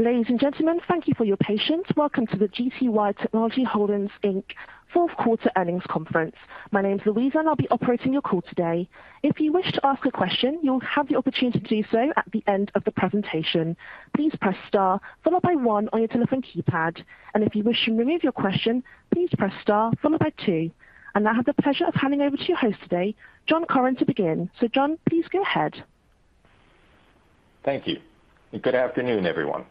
Ladies and gentlemen, thank you for your patience. Welcome to the GTY Technology Holdings, Inc. fourth quarter earnings conference. My name is Louisa, and I'll be operating your call today. If you wish to ask a question, you'll have the opportunity to do so at the end of the presentation. Please press star followed by one on your telephone keypad. If you wish to remove your question, please press star followed by two. I have the pleasure of handing over to your host today, John Curran, to begin. John, please go ahead. Thank you. Good afternoon, everyone.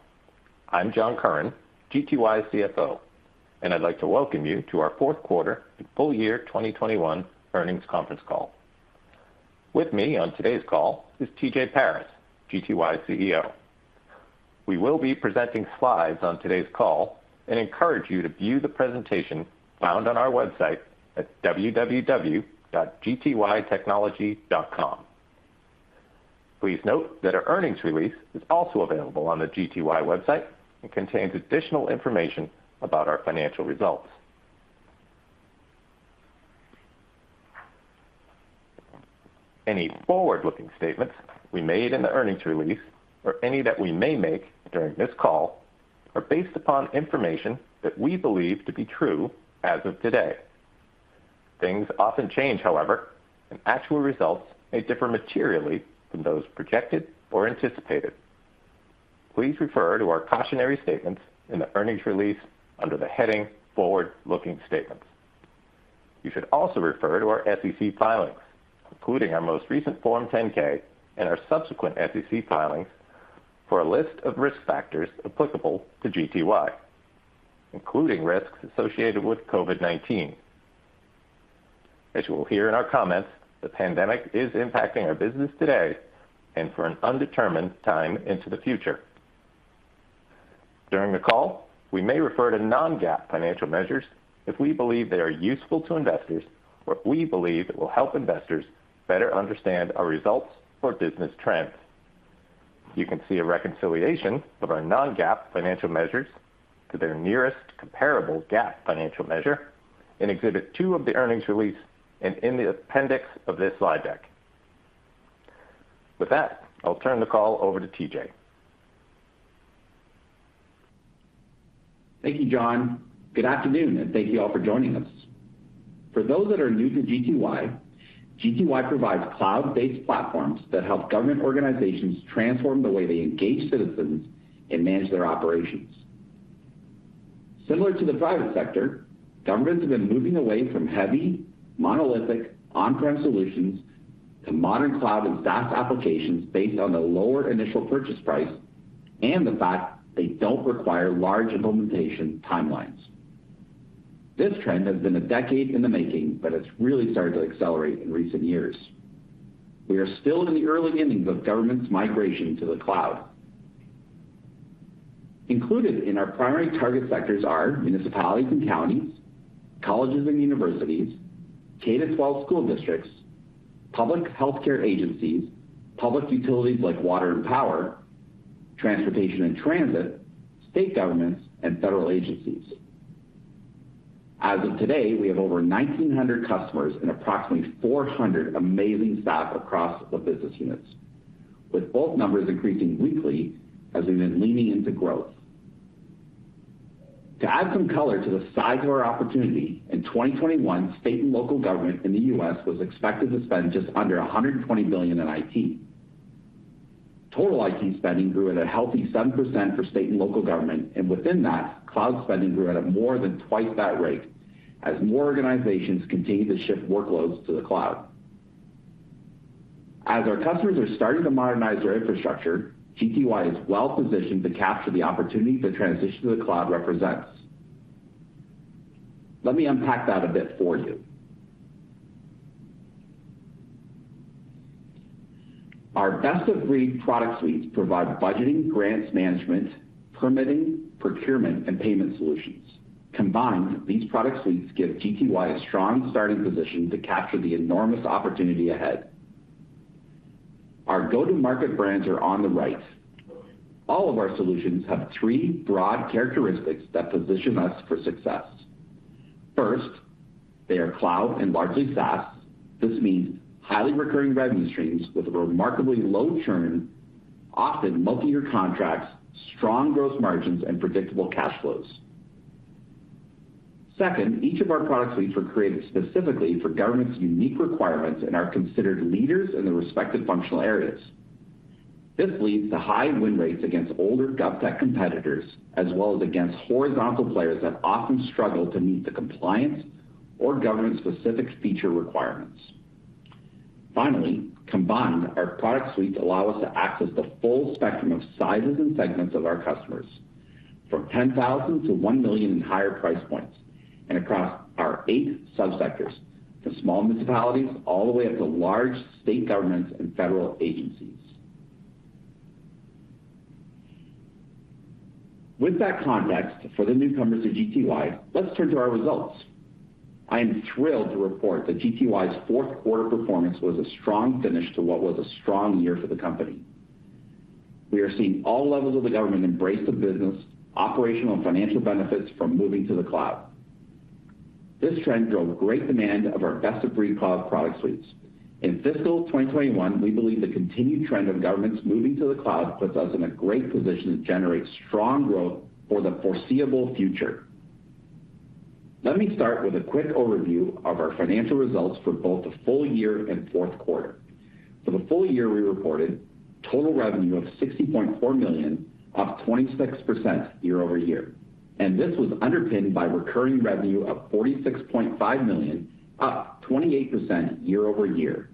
I'm John Curran, GTY's CFO, and I'd like to welcome you to our fourth quarter and full year 2021 earnings conference call. With me on today's call is TJ Parass, GTY's CEO. We will be presenting slides on today's call and encourage you to view the presentation found on our website at www.gtytechnology.com. Please note that our earnings release is also available on the GTY website and contains additional information about our financial results. Any forward-looking statements we made in the earnings release or any that we may make during this call are based upon information that we believe to be true as of today. Things often change, however, and actual results may differ materially from those projected or anticipated. Please refer to our cautionary statements in the earnings release under the heading Forward-Looking Statements. You should also refer to our SEC filings, including our most recent Form 10-K and our subsequent SEC filings for a list of risk factors applicable to GTY, including risks associated with COVID-19. As you will hear in our comments, the pandemic is impacting our business today and for an undetermined time into the future. During the call, we may refer to non-GAAP financial measures if we believe they are useful to investors or if we believe it will help investors better understand our results or business trends. You can see a reconciliation of our non-GAAP financial measures to their nearest comparable GAAP financial measure in Exhibit two of the earnings release and in the appendix of this slide deck. With that, I'll turn the call over to TJ. Thank you, John. Good afternoon, and thank you all for joining us. For those that are new to GTY provides cloud-based platforms that help government organizations transform the way they engage citizens and manage their operations. Similar to the private sector, governments have been moving away from heavy, monolithic on-prem solutions to modern cloud and SaaS applications based on the lower initial purchase price and the fact they don't require large implementation timelines. This trend has been a decade in the making, but it's really started to accelerate in recent years. We are still in the early innings of government's migration to the cloud. Included in our primary target sectors are municipalities and counties, colleges and universities, K-12 school districts, public healthcare agencies, public utilities like water and power, transportation and transit, state governments, and federal agencies. As of today, we have over 1,900 customers and approximately 400 amazing staff across the business units, with both numbers increasing weekly as we've been leaning into growth. To add some color to the size of our opportunity, in 2021, state and local government in the U.S. was expected to spend just under $120 billion in IT. Total IT spending grew at a healthy 7% for state and local government, and within that, cloud spending grew at a more than twice that rate as more organizations continue to shift workloads to the cloud. As our customers are starting to modernize their infrastructure, GTY is well-positioned to capture the opportunity the transition to the cloud represents. Let me unpack that a bit for you. Our best-of-breed product suites provide budgeting, grants management, permitting, procurement, and payment solutions. Combined, these product suites give GTY a strong starting position to capture the enormous opportunity ahead. Our go-to-market brands are on the right. All of our solutions have three broad characteristics that position us for success. First, they are cloud and largely SaaS. This means highly recurring revenue streams with a remarkably low churn, often multi-year contracts, strong gross margins, and predictable cash flows. Second, each of our product suites were created specifically for government's unique requirements and are considered leaders in their respective functional areas. This leads to high win rates against older gov tech competitors, as well as against horizontal players that often struggle to meet the compliance or government-specific feature requirements. Finally, combined, our product suites allow us to access the full spectrum of sizes and segments of our customers from 10,000 to 1 million in higher price points, and across our 8 subsectors, from small municipalities all the way up to large state governments and federal agencies. With that context for the newcomers to GTY, let's turn to our results. I am thrilled to report that GTY's fourth quarter performance was a strong finish to what was a strong year for the company. We are seeing all levels of the government embrace the business, operational, and financial benefits from moving to the cloud. This trend drove great demand of our best-of-breed cloud product suites. In fiscal 2021, we believe the continued trend of governments moving to the cloud puts us in a great position to generate strong growth for the foreseeable future. Let me start with a quick overview of our financial results for both the full year and fourth quarter. For the full year, we reported total revenue of $60.4 million, up 26% year-over-year, and this was underpinned by recurring revenue of $46.5 million, up 28% year-over-year,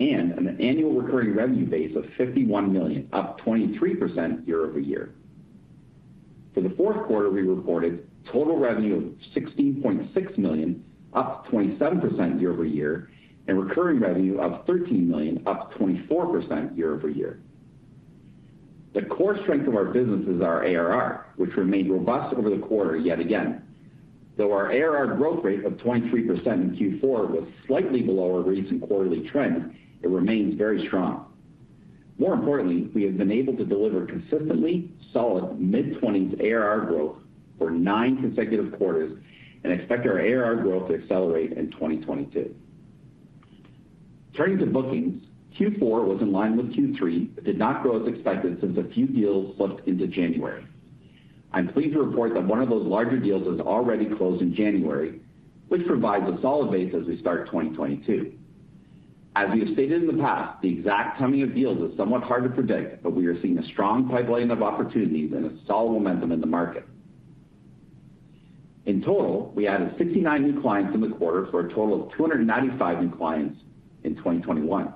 and an annual recurring revenue base of $51 million, up 23% year-over-year. For the fourth quarter, we reported total revenue of $16.6 million, up 27% year-over-year, and recurring revenue of $13 million, up 24% year-over-year. The core strength of our business is our ARR, which remained robust over the quarter yet again. Though our ARR growth rate of 23% in Q4 was slightly below our recent quarterly trend, it remains very strong. More importantly, we have been able to deliver consistently solid mid-20s ARR growth for 9 consecutive quarters and expect our ARR growth to accelerate in 2022. Turning to bookings, Q4 was in line with Q3, but did not grow as expected since a few deals slipped into January. I'm pleased to report that one of those larger deals was already closed in January, which provides a solid base as we start 2022. As we have stated in the past, the exact timing of deals is somewhat hard to predict, but we are seeing a strong pipeline of opportunities and a solid momentum in the market. In total, we added 69 new clients in the quarter for a total of 295 new clients in 2021.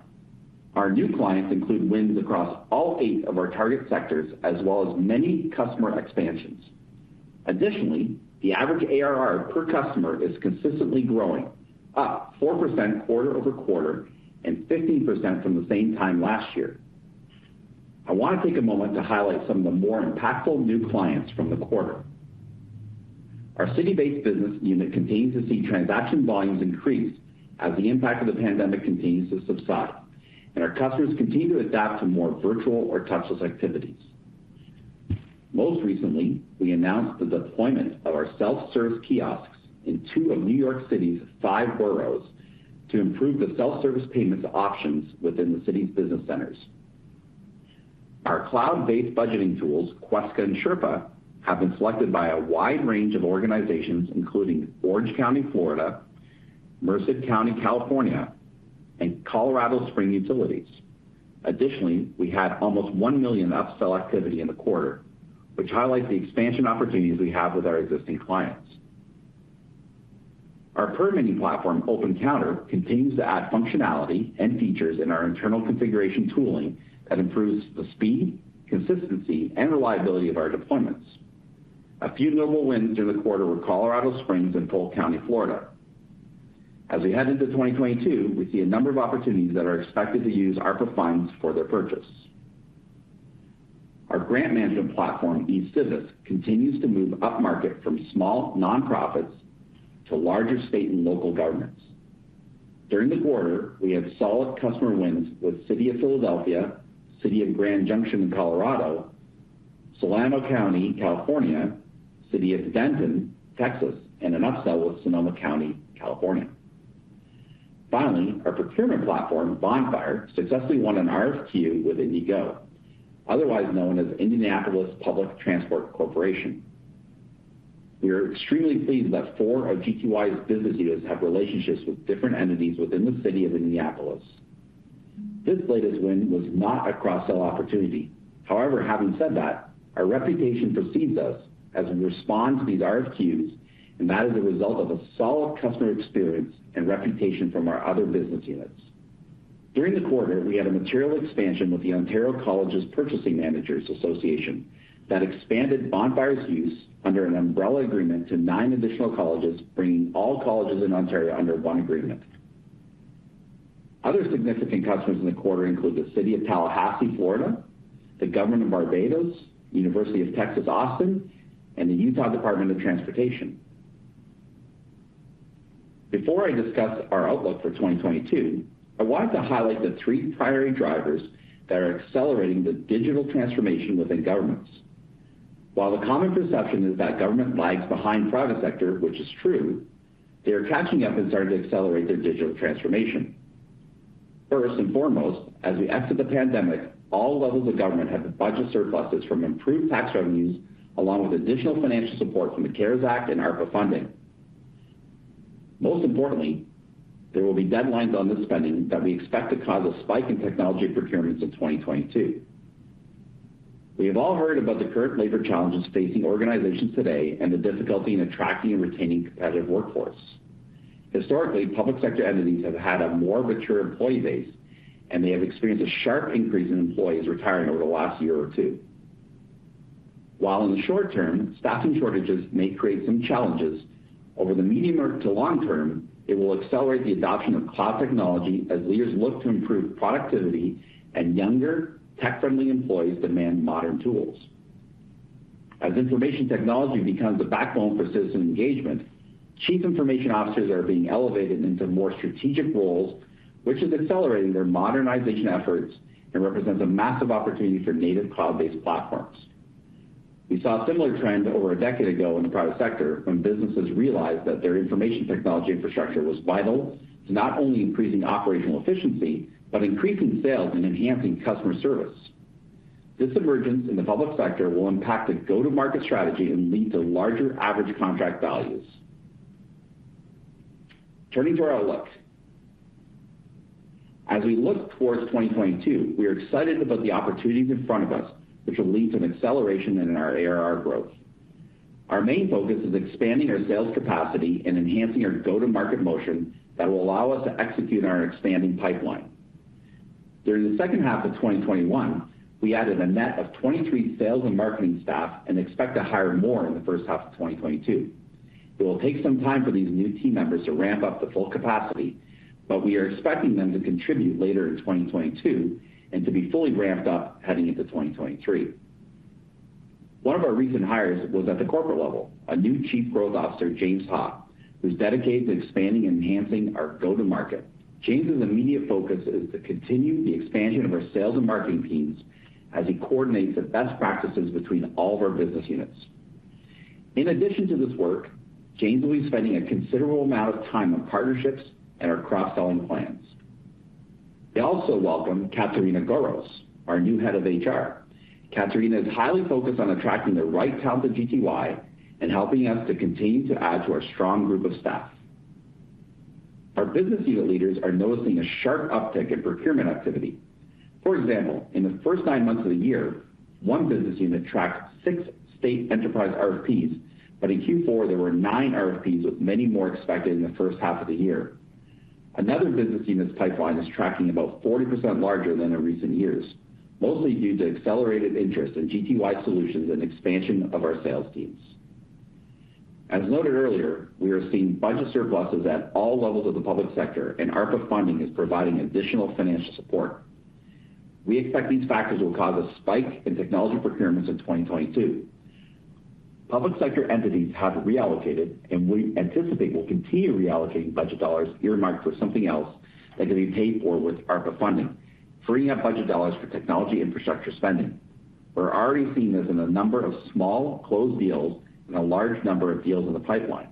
Our new clients include wins across all 8 of our target sectors as well as many customer expansions. Additionally, the average ARR per customer is consistently growing, up 4% quarter-over-quarter and 15% from the same time last year. I want to take a moment to highlight some of the more impactful new clients from the quarter. Our CityBase business unit continues to see transaction volumes increase as the impact of the pandemic continues to subside, and our customers continue to adapt to more virtual or touchless activities. Most recently, we announced the deployment of our self-service kiosks in two of New York City's five boroughs to improve the self-service payments options within the city's business centers. Our cloud-based budgeting tools, Questica and Sherpa, have been selected by a wide range of organizations, including Orange County, Florida, Merced County, California, and Colorado Springs Utilities. Additionally, we had almost $1 million upsell activity in the quarter, which highlights the expansion opportunities we have with our existing clients. Our permitting platform, OpenCounter, continues to add functionality and features in our internal configuration tooling that improves the speed, consistency, and reliability of our deployments. A few notable wins in the quarter were Colorado Springs and Polk County, Florida. As we head into 2022, we see a number of opportunities that are expected to use our platforms for their purchase. Our grant management platform, eCivis, continues to move upmarket from small nonprofits to larger state and local governments. During the quarter, we had solid customer wins with City of Philadelphia, City of Grand Junction in Colorado, Solano County, California, City of Denton, Texas, and an upsell with Sonoma County, California. Finally, our procurement platform, Bonfire, successfully won an RFQ with IndyGo, otherwise known as Indianapolis Public Transportation Corporation. We are extremely pleased that four of GTY's business units have relationships with different entities within the city of Indianapolis. This latest win was not a cross-sell opportunity. However, having said that, our reputation precedes us as we respond to these RFQs, and that is a result of a solid customer experience and reputation from our other business units. During the quarter, we had a material expansion with the Ontario Colleges Procurement Management Association that expanded Bonfire's use under an umbrella agreement to nine additional colleges, bringing all colleges in Ontario under one agreement. Other significant customers in the quarter include the City of Tallahassee, Florida, the Government of Barbados, The University of Texas at Austin, and the Utah Department of Transportation. Before I discuss our outlook for 2022, I wanted to highlight the three primary drivers that are accelerating the digital transformation within governments. While the common perception is that government lags behind private sector, which is true, they are catching up and starting to accelerate their digital transformation. First and foremost, as we exit the pandemic, all levels of government have budget surpluses from improved tax revenues, along with additional financial support from the CARES Act and ARPA funding. Most importantly, there will be deadlines on this spending that we expect to cause a spike in technology procurements in 2022. We have all heard about the current labor challenges facing organizations today and the difficulty in attracting and retaining competitive workforce. Historically, public sector entities have had a more mature employee base, and they have experienced a sharp increase in employees retiring over the last year or two. While in the short term, staffing shortages may create some challenges, over the medium or to long term, it will accelerate the adoption of cloud technology as leaders look to improve productivity and younger tech-friendly employees demand modern tools. As information technology becomes a backbone for citizen engagement, chief information officers are being elevated into more strategic roles, which is accelerating their modernization efforts and represents a massive opportunity for native cloud-based platforms. We saw a similar trend over a decade ago in the private sector when businesses realized that their information technology infrastructure was vital to not only increasing operational efficiency, but increasing sales and enhancing customer service. This emergence in the public sector will impact the go-to-market strategy and lead to larger average contract values. Turning to our outlook. As we look towards 2022, we are excited about the opportunities in front of us, which will lead to an acceleration in our ARR growth. Our main focus is expanding our sales capacity and enhancing our go-to-market motion that will allow us to execute on our expanding pipeline. During the second half of 2021, we added a net of 23 sales and marketing staff and expect to hire more in the first half of 2022. It will take some time for these new team members to ramp up to full capacity, but we are expecting them to contribute later in 2022 and to be fully ramped up heading into 2023. One of our recent hires was at the corporate level, a new Chief Growth Officer, James Ha, who's dedicated to expanding and enhancing our go-to-market. James' immediate focus is to continue the expansion of our sales and marketing teams as he coordinates the best practices between all of our business units. In addition to this work, James will be spending a considerable amount of time on partnerships and our cross-selling plans. We also welcome Katerina Goros, our new head of HR. Katerina is highly focused on attracting the right talent to GTY and helping us to continue to add to our strong group of staff. Our business unit leaders are noticing a sharp uptick in procurement activity. For example, in the first nine months of the year, one business unit tracked six state enterprise RFPs, but in Q4, there were nine RFPs, with many more expected in the first half of the year. Another business unit's pipeline is tracking about 40% larger than in recent years, mostly due to accelerated interest in GTY solutions and expansion of our sales teams. As noted earlier, we are seeing budget surpluses at all levels of the public sector, and ARPA funding is providing additional financial support. We expect these factors will cause a spike in technology procurements in 2022. Public sector entities have reallocated, and we anticipate will continue reallocating budget dollars earmarked for something else that can be paid for with ARPA funding, freeing up budget dollars for technology infrastructure spending. We're already seeing this in a number of small closed deals and a large number of deals in the pipeline.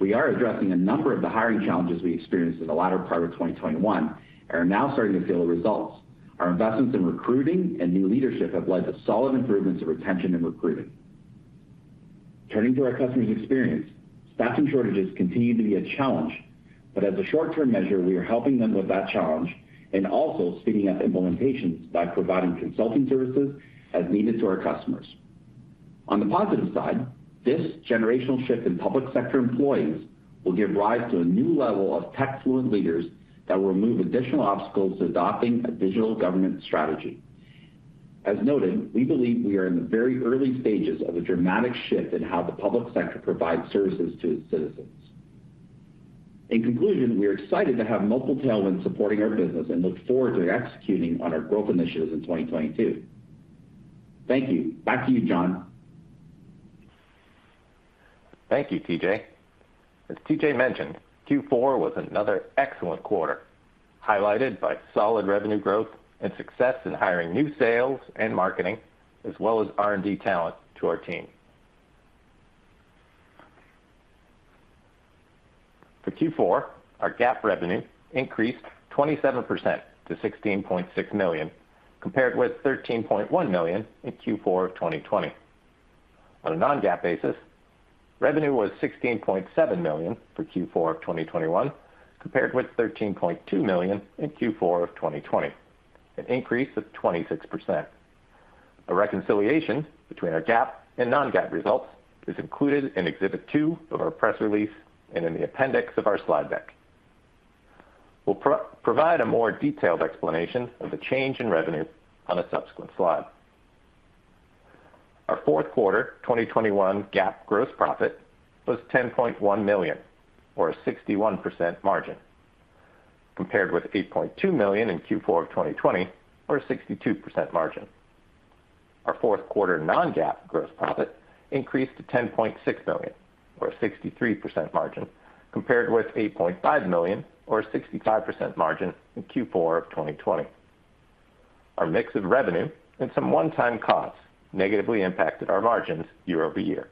We are addressing a number of the hiring challenges we experienced in the latter part of 2021 and are now starting to feel the results. Our investments in recruiting and new leadership have led to solid improvements of retention and recruiting. Turning to our customers' experience, staffing shortages continue to be a challenge, but as a short-term measure, we are helping them with that challenge and also speeding up implementations by providing consulting services as needed to our customers. On the positive side, this generational shift in public sector employees will give rise to a new level of tech-fluent leaders that will remove additional obstacles to adopting a digital government strategy. As noted, we believe we are in the very early stages of a dramatic shift in how the public sector provides services to its citizens. In conclusion, we are excited to have multiple tailwinds supporting our business and look forward to executing on our growth initiatives in 2022. Thank you. Back to you, John. Thank you, TJ. As TJ mentioned, Q4 was another excellent quarter, highlighted by solid revenue growth and success in hiring new sales and marketing, as well as R&D talent to our team. For Q4, our GAAP revenue increased 27% to $16.6 million, compared with $13.1 million in Q4 of 2020. On a non-GAAP basis, revenue was $16.7 million for Q4 of 2021, compared with $13.2 million in Q4 of 2020, an increase of 26%. A reconciliation between our GAAP and non-GAAP results is included in Exhibit 2 of our press release and in the appendix of our slide deck. We'll provide a more detailed explanation of the change in revenue on a subsequent slide. Our fourth quarter 2021 GAAP gross profit was $10.1 million or a 61% margin, compared with $8.2 million in Q4 2020 or a 62% margin. Our fourth quarter non-GAAP gross profit increased to $10.6 million or a 63% margin, compared with $8.5 million or a 65% margin in Q4 2020. Our mix of revenue and some one-time costs negatively impacted our margins year-over-year.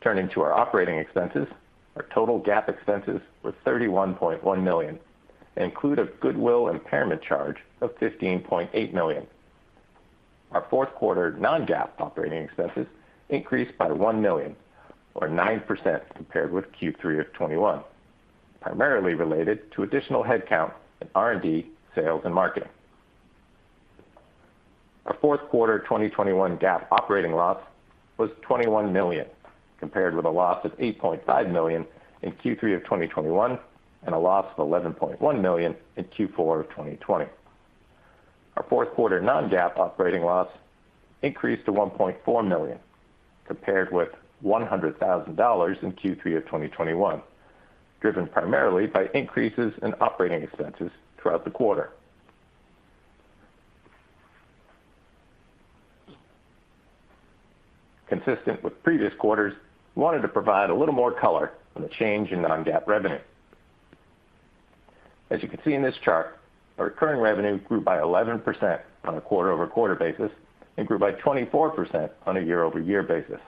Turning to our operating expenses, our total GAAP expenses were $31.1 million and include a goodwill impairment charge of $15.8 million. Our fourth quarter non-GAAP operating expenses increased by $1 million or 9% compared with Q3 2021, primarily related to additional headcount in R&D, sales, and marketing. Our fourth quarter 2021 GAAP operating loss was $21 million, compared with a loss of $8.5 million in Q3 of 2021 and a loss of $11.1 million in Q4 of 2020. Our fourth quarter non-GAAP operating loss increased to $1.4 million, compared with $100,000 in Q3 of 2021, driven primarily by increases in operating expenses throughout the quarter. Consistent with previous quarters, we wanted to provide a little more color on the change in non-GAAP revenue. As you can see in this chart, our recurring revenue grew by 11% on a quarter-over-quarter basis and grew by 24% on a year-over-year basis.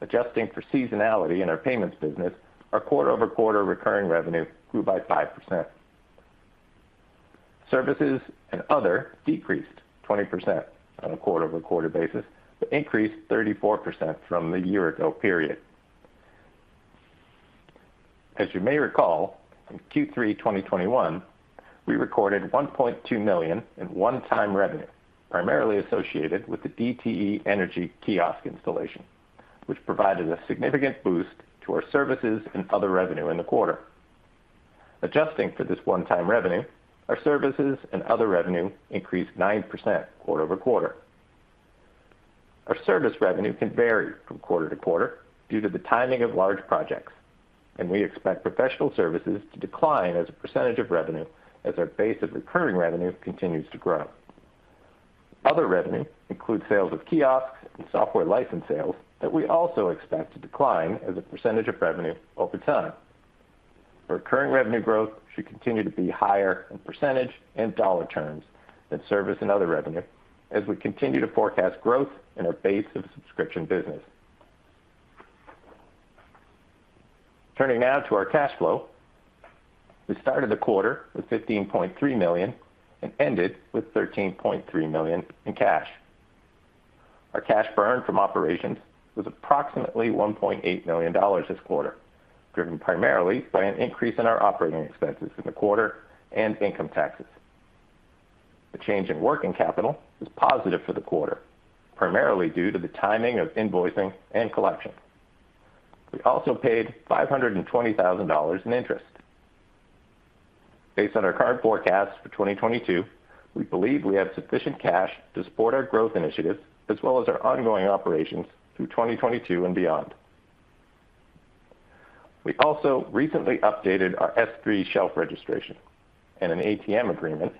Adjusting for seasonality in our payments business, our quarter-over-quarter recurring revenue grew by 5%. Services and other decreased 20% on a quarter-over-quarter basis, but increased 34% from the year ago period. As you may recall, in Q3 2021, we recorded $1.2 million in one-time revenue, primarily associated with the DTE Energy kiosk installation, which provided a significant boost to our services and other revenue in the quarter. Adjusting for this one-time revenue, our services and other revenue increased 9% quarter-over-quarter. Our service revenue can vary from quarter to quarter due to the timing of large projects, and we expect professional services to decline as a percentage of revenue as our base of recurring revenue continues to grow. Other revenue includes sales of kiosks and software license sales that we also expect to decline as a percentage of revenue over time. Our current revenue growth should continue to be higher in percentage and dollar terms than service and other revenue as we continue to forecast growth in our base of subscription business. Turning now to our cash flow. We started the quarter with $15.3 million and ended with $13.3 million in cash. Our cash burn from operations was approximately $1.8 million this quarter, driven primarily by an increase in our operating expenses in the quarter and income taxes. The change in working capital was positive for the quarter, primarily due to the timing of invoicing and collection. We also paid $520,000 in interest. Based on our current forecast for 2022, we believe we have sufficient cash to support our growth initiatives as well as our ongoing operations through 2022 and beyond. We also recently updated our S-3 shelf registration and an ATM agreement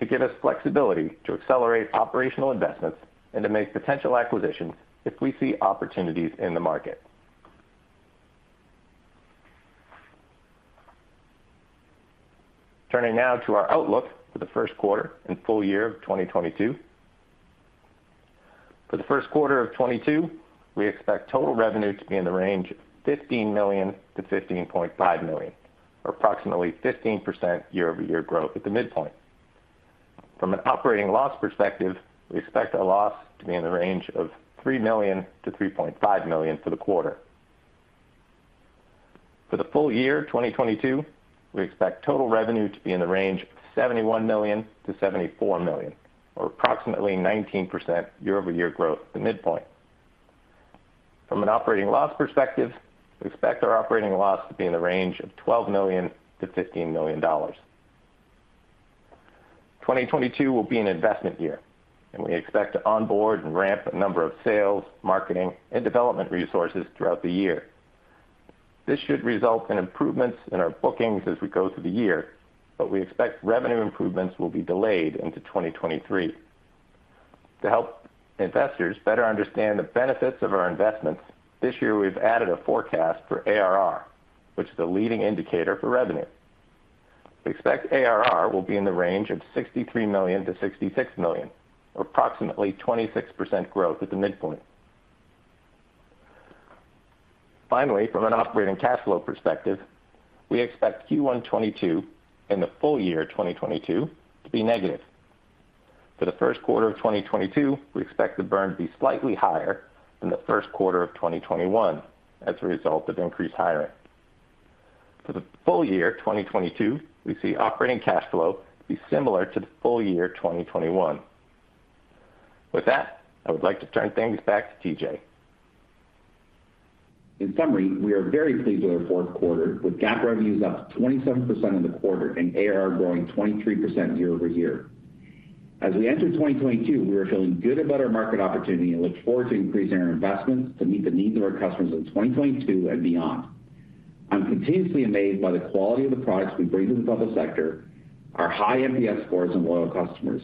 to give us flexibility to accelerate operational investments and to make potential acquisitions if we see opportunities in the market. Turning now to our outlook for the first quarter and full year of 2022. For the first quarter of 2022, we expect total revenue to be in the range of $15 million-$15.5 million, or approximately 15% year-over-year growth at the midpoint. From an operating loss perspective, we expect a loss to be in the range of $3 million-$3.5 million for the quarter. For the full year 2022, we expect total revenue to be in the range of $71 million-$74 million, or approximately 19% year-over-year growth at the midpoint. From an operating loss perspective, we expect our operating loss to be in the range of $12 million-$15 million. 2022 will be an investment year, and we expect to onboard and ramp a number of sales, marketing and development resources throughout the year. This should result in improvements in our bookings as we go through the year, but we expect revenue improvements will be delayed into 2023. To help investors better understand the benefits of our investments, this year we've added a forecast for ARR, which is the leading indicator for revenue. We expect ARR will be in the range of $63 million-$66 million, or approximately 26% growth at the midpoint. Finally, from an operating cash flow perspective, we expect Q1 2022 and the full year 2022 to be negative. For the first quarter of 2022, we expect the burn to be slightly higher than the first quarter of 2021 as a result of increased hiring. For the full year 2022, we see operating cash flow to be similar to the full year 2021. With that, I would like to turn things back to TJ. In summary, we are very pleased with our fourth quarter, with GAAP revenues up 27% in the quarter and ARR growing 23% year-over-year. As we enter 2022, we are feeling good about our market opportunity and look forward to increasing our investments to meet the needs of our customers in 2022 and beyond. I'm continuously amazed by the quality of the products we bring to the public sector, our high NPS scores and loyal customers.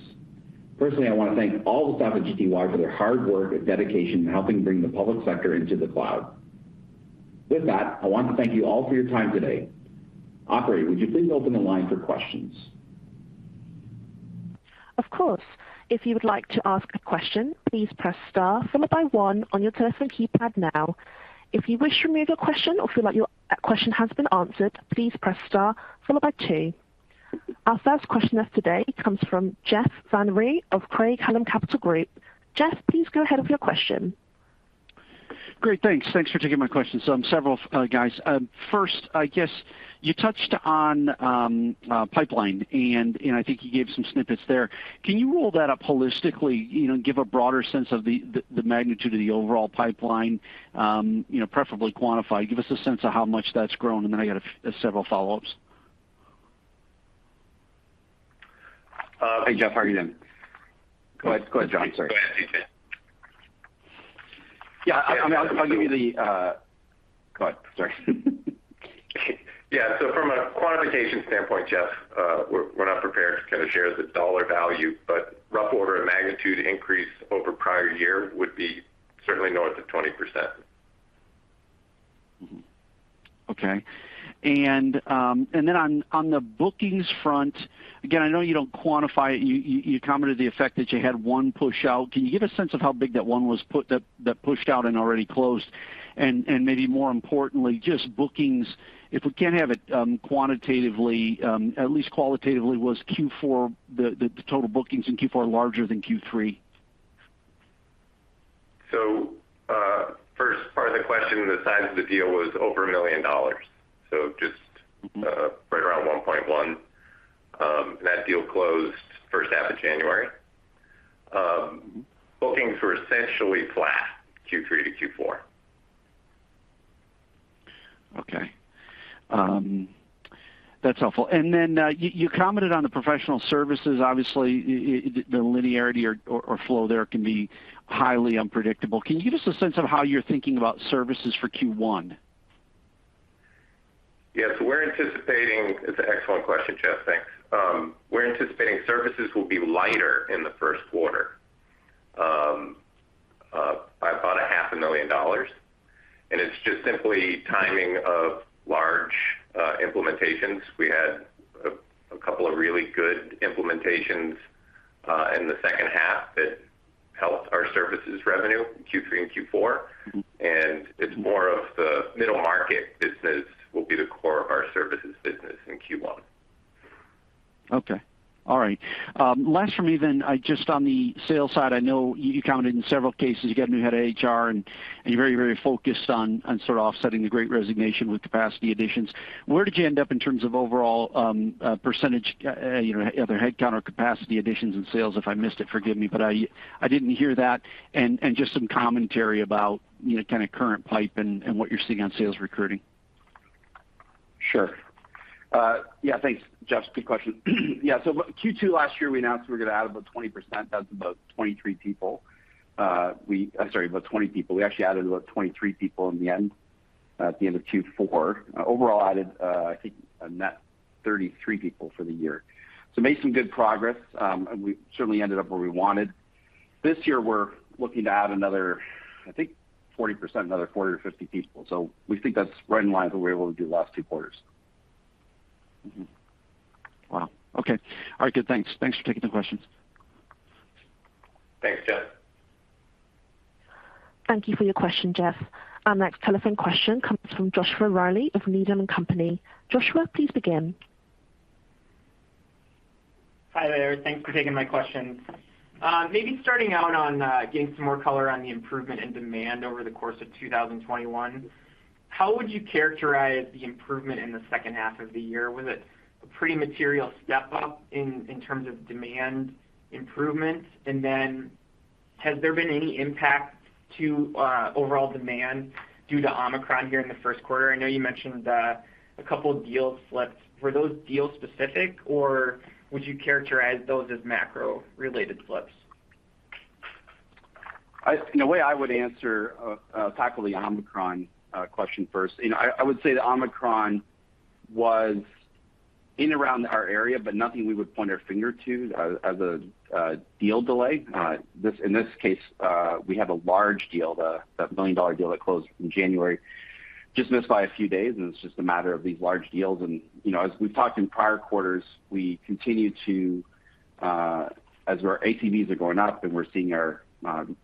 Personally, I want to thank all the staff at GTY for their hard work and dedication in helping bring the public sector into the cloud. With that, I want to thank you all for your time today. Operator, would you please open the line for questions? Of course. If you would like to ask a question, please press star followed by one on your telephone keypad now. If you wish to remove your question or feel like your question has been answered, please press star followed by two. Our first question today comes from Jeff Van Rhee of Craig-Hallum Capital Group. Jeff, please go ahead with your question. Great, thanks. Thanks for taking my question. Several guys. First, I guess you touched on pipeline and I think you gave some snippets there. Can you roll that up holistically, you know, and give a broader sense of the magnitude of the overall pipeline? You know, preferably quantified. Give us a sense of how much that's grown, and then I got several follow-ups. Hey, Jeff, how are you doing? Go ahead, John. Sorry. Yeah, I'll give you the Go ahead. Sorry. Implementation standpoint, Jeff, we're not prepared to kinda share the dollar value, but rough order of magnitude increase over prior year would be certainly north of 20%. Okay. On the bookings front, again, I know you don't quantify it. You commented on the effect that you had one push out. Can you give a sense of how big that one was, that pushed out and already closed? Maybe more importantly, just bookings, if we can't have it quantitatively, at least qualitatively, was the total bookings in Q4 larger than Q3? First part of the question, the size of the deal was over $1 million, so just right around 1.1. That deal closed first half of January. Bookings were essentially flat, Q3 to Q4. Okay. That's helpful. You commented on the professional services. Obviously, the linearity or flow there can be highly unpredictable. Can you give us a sense of how you're thinking about services for Q1? It's an excellent question, Jeff. Thanks. We're anticipating services will be lighter in the first quarter by about half a million dollars. It's just simply timing of large implementations. We had a couple of really good implementations in the second half that helped our services revenue in Q3 and Q4. It's more of the middle market business will be the core of our services business in Q1. Okay. All right. Last from me, I just on the sales side, I know you commented in several cases you got a new head of HR, and you're very focused on sort of offsetting the great resignation with capacity additions. Where did you end up in terms of overall percentage, you know, either headcount or capacity additions in sales? If I missed it, forgive me, but I didn't hear that. Just some commentary about, you know, kinda current pipe and what you're seeing on sales recruiting. Sure. Yeah, thanks, Jeff. Good question. Yeah. Q2 last year, we announced we're gonna add about 20%. That's about 23 people. Sorry, about 20 people. We actually added about 23 people in the end, at the end of Q4. Overall added, I think a net 33 people for the year. Made some good progress, and we certainly ended up where we wanted. This year, we're looking to add another, I think 40%, another 40 or 50 people. We think that's right in line with what we were able to do the last two quarters. Wow. Okay. All right. Good. Thanks. Thanks for taking the questions. Thanks, Jeff. Thank you for your question, Jeff. Our next telephone question comes from Joshua Reilly of Needham & Company. Joshua, please begin. Hi there. Thanks for taking my question. Maybe starting out on getting some more color on the improvement in demand over the course of 2021. How would you characterize the improvement in the second half of the year? Was it a pretty material step up in terms of demand improvements? Has there been any impact to overall demand due to Omicron here in the first quarter? I know you mentioned a couple of deals slipped. Were those deal specific, or would you characterize those as macro related slips? In a way, I would answer, tackle the Omicron question first. You know, I would say the Omicron was around in our area, but nothing we would point our finger to as a deal delay. In this case, we have a large deal, the $1 million deal that closed in January, just missed by a few days, and it's just a matter of these large deals. You know, as we've talked in prior quarters, we continue to, as our ACVs are going up and we're seeing our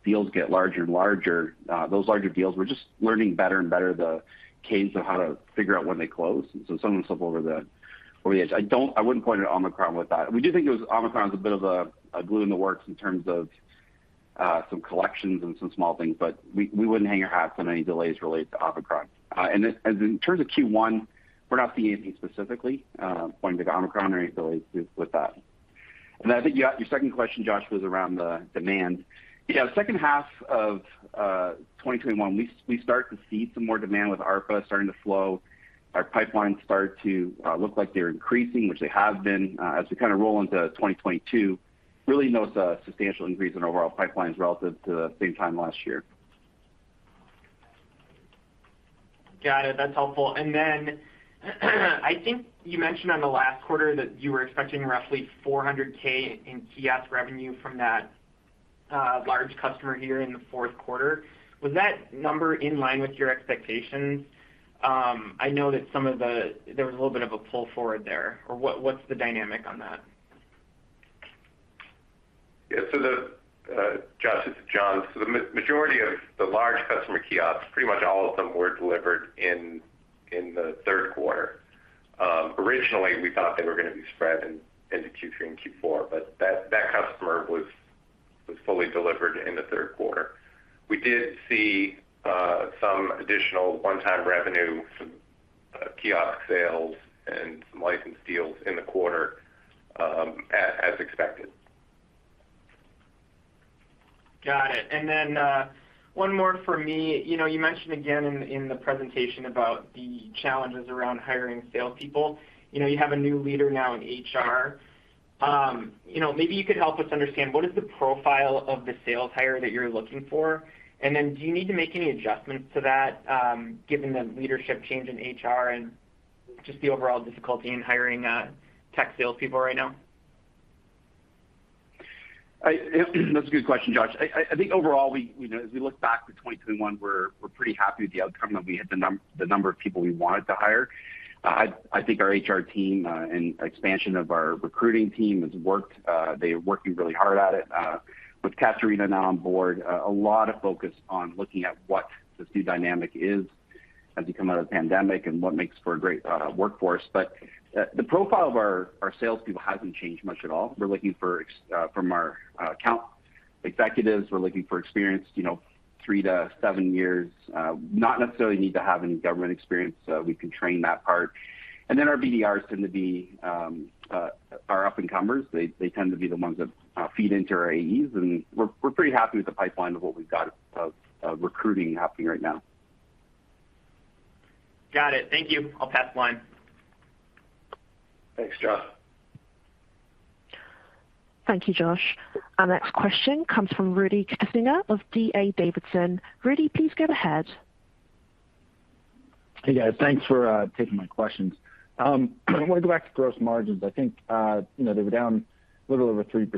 deals get larger and larger, those larger deals, we're just learning better and better the cadence of how to figure out when they close. Some of the stuff over the edge. I wouldn't point at Omicron with that. We do think Omicron's a bit of a wrench in the works in terms of some collections and some small things, but we wouldn't hang our hats on any delays related to Omicron. In terms of Q1, we're not seeing anything specifically pointing to Omicron or any delays with that. I think your second question, Josh, was around the demand. Yeah. The second half of 2021, we start to see some more demand with ARPA starting to flow. Our pipelines start to look like they're increasing, which they have been. As we kind of roll into 2022, really no substantial increase in overall pipelines relative to the same time last year. Got it. That's helpful. I think you mentioned on the last quarter that you were expecting roughly $400K in kiosk revenue from that large customer here in the fourth quarter. Was that number in line with your expectations? I know that there was a little bit of a pull forward there, or what's the dynamic on that? Yeah. Josh, this is John. The majority of the large customer kiosks, pretty much all of them were delivered in the third quarter. Originally, we thought they were gonna be spread into Q3 and Q4, but that customer was fully delivered in the third quarter. We did see some additional one-time revenue from kiosk sales and some license deals in the quarter, as expected. Got it. One more for me. You know, you mentioned again in the presentation about the challenges around hiring salespeople. You know, you have a new leader now in HR. You know, maybe you could help us understand what is the profile of the sales hire that you're looking for? Do you need to make any adjustments to that, given the leadership change in HR and just the overall difficulty in hiring tech salespeople right now? That's a good question, Josh. I think overall we, you know, as we look back to 2021, we're pretty happy with the outcome that we had, the number of people we wanted to hire. I think our HR team and expansion of our recruiting team has worked. They're working really hard at it. With Katerina now on board, a lot of focus on looking at what the new dynamic is as we come out of the pandemic and what makes for a great workforce. The profile of our salespeople hasn't changed much at all. From our account executives, we're looking for experienced, you know, 3-7 years, not necessarily need to have any government experience, we can train that part. Our BDRs tend to be up-and-comers. They tend to be the ones that feed into our AEs, and we're pretty happy with the pipeline of what we've got recruiting happening right now. Got it. Thank you. I'll pass the line. Thanks, Josh. Thank you, Josh. Our next question comes from Rudy Kessinger of D.A. Davidson. Rudy, please go ahead. Hey, guys. Thanks for taking my questions. I wanna go back to gross margins. I think you know they were down a little over 3%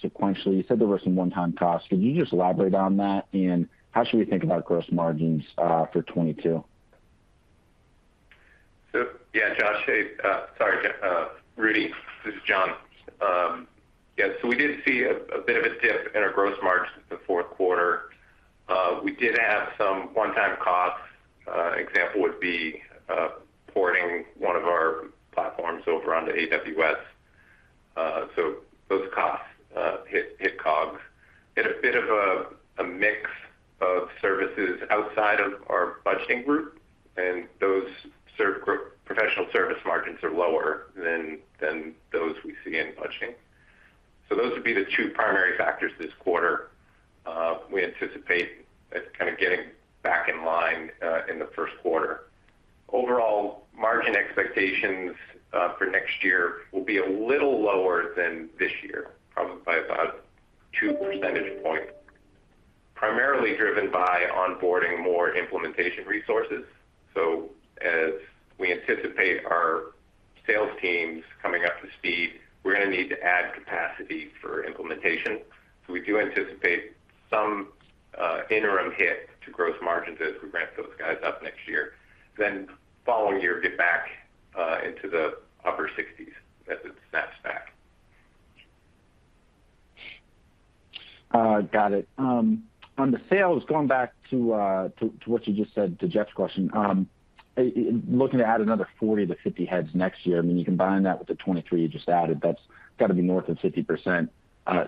sequentially. You said there were some one-time costs. Can you just elaborate on that? How should we think about gross margins for 2022? Yeah, Josh, hey, sorry, Rudy. This is John. We did see a bit of a dip in our gross margins the fourth quarter. We did have some one-time costs. An example would be porting one of our platforms over onto AWS. Those costs hit COGS. Had a bit of a mix of services outside of our budgeting group, and those professional service margins are lower than those we see in budgeting. Those would be the two primary factors this quarter. We anticipate it kind of getting back in line in the first quarter. Overall, margin expectations for next year will be a little lower than this year, probably by about two percentage points, primarily driven by onboarding more implementation resources. As we anticipate our sales teams coming up to speed, we're gonna need to add capacity for implementation. We do anticipate some interim hit to gross margins as we ramp those guys up next year, then following year get back into the upper sixties as it snaps back. Got it. On the sales, going back to what you just said to Jeff's question, looking to add another 40-50 heads next year, I mean, you combine that with the 23 you just added, that's gotta be north of 50%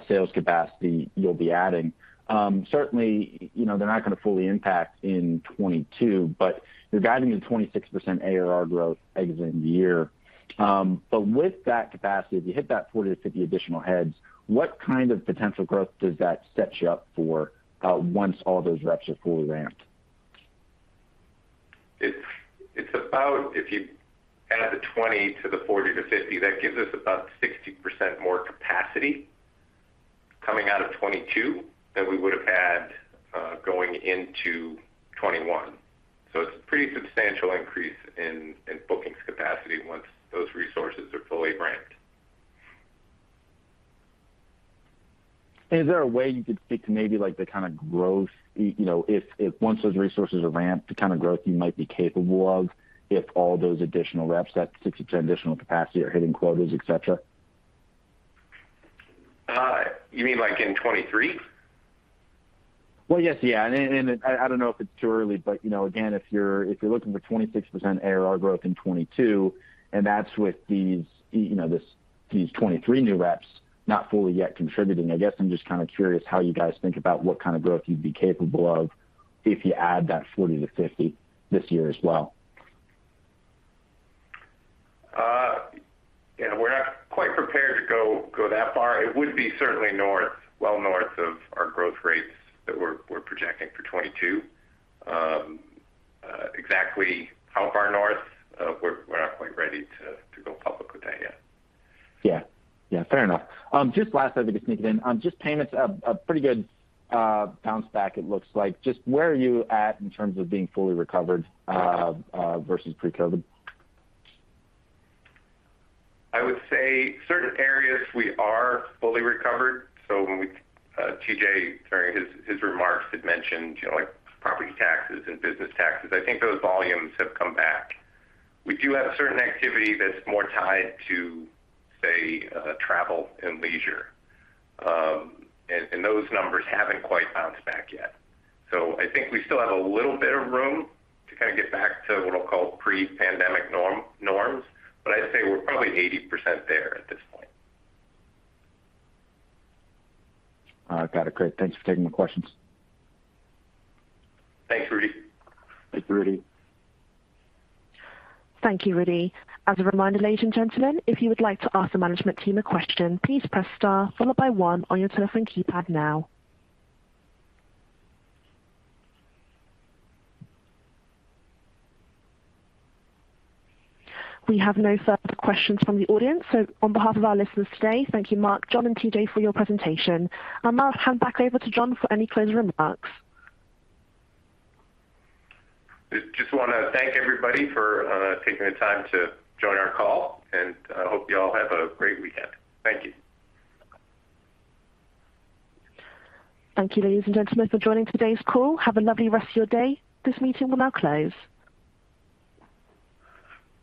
sales capacity you'll be adding. Certainly, you know, they're not gonna fully impact in 2022, but you're guiding in 26% ARR growth exit in the year. But with that capacity, if you hit that 40-50 additional heads, what kind of potential growth does that set you up for, once all those reps are fully ramped? It's about if you add the 20 to the 40-50, that gives us about 60% more capacity coming out of 2022 than we would have had going into 2021. It's a pretty substantial increase in bookings capacity once those resources are fully ramped. Is there a way you could speak to maybe like the kind of growth, you know, if once those resources are ramped, the kind of growth you might be capable of if all those additional reps, that 60% additional capacity are hitting quotas, et cetera? You mean like in 2023? Well, yes. Yeah. I don't know if it's too early, but, you know, again, if you're looking for 26% ARR growth in 2022, and that's with these, you know, 23 new reps not fully yet contributing. I guess I'm just kind of curious how you guys think about what kind of growth you'd be capable of if you add that 40-50 this year as well. Yeah, we're not quite prepared to go that far. It would be certainly north, well north of our growth rates that we're projecting for 2022. Exactly how far north, we're not quite ready to go public with that yet. Yeah. Yeah, fair enough. Just last, as I just sneak it in. Just payments, a pretty good bounce back it looks like. Just where are you at in terms of being fully recovered versus pre-COVID? I would say certain areas we are fully recovered. When we, TJ, during his remarks had mentioned, you know, like property taxes and business taxes. I think those volumes have come back. We do have certain activity that's more tied to, say, travel and leisure. And those numbers haven't quite bounced back yet. I think we still have a little bit of room to kind of get back to what I'll call pre-pandemic norms, but I'd say we're probably 80% there at this point. All right. Got it. Great. Thanks for taking the questions. Thanks, Rudy. Thanks, Rudy. Thank you, Rudy. As a reminder, ladies and gentlemen, if you would like to ask the management team a question, please press star followed by one on your telephone keypad now. We have no further questions from the audience. On behalf of our listeners today, thank you, Mark, John, and TJ for your presentation. I'll now hand back over to John for any closing remarks. Just wanna thank everybody for taking the time to join our call, and I hope you all have a great weekend. Thank you. Thank you, ladies and gentlemen, for joining today's call. Have a lovely rest of your day. This meeting will now close.